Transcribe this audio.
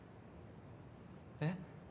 えっ？